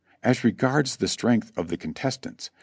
As regards the strength of the contestants.